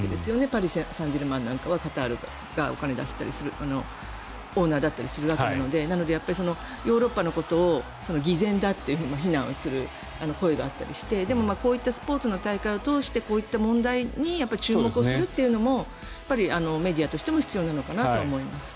パリ・サンジェルマンなんかはカタールがオーナーだったりするわけなのでヨーロッパのことを偽善だと非難をする声があったりしてでも、こういったスポーツの大会を通してこういった問題に注目するのもやっぱりメディアとしても必要なのかなと思います。